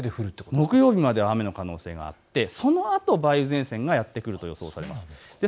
木曜日は雨が降る可能性があって、そのあと梅雨前線がやって来ると予想されます。